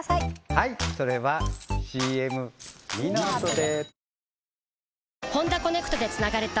はいそれはＣＭ②のあとで！